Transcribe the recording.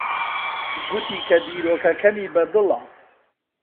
گوتی کە بیرۆکەکەمی بەدڵە.